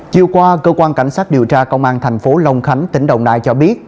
chiều qua cơ quan cảnh sát điều tra công an thành phố long khánh tỉnh đồng nai cho biết